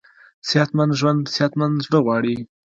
صحتمند ژوند صحتمند زړه غواړي.